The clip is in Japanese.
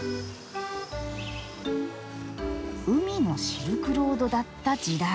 海のシルクロードだった時代。